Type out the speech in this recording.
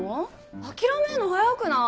諦めんの早くない？